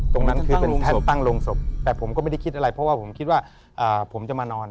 ตรงนั้นคือเป็นแท่นตั้งโรงศพแต่ผมก็ไม่ได้คิดอะไรเพราะว่าผมคิดว่าผมจะมานอน